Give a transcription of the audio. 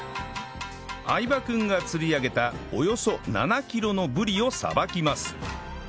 相葉君が釣り上げたおよそ７キロのブリをさばきます